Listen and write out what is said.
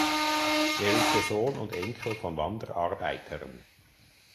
Er ist der Sohn und Enkel von Wanderarbeitern.